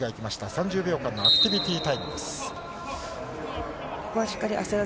３０秒間のアクティビティタイムです。